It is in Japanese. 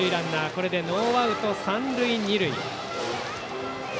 これでノーアウト、三塁二塁。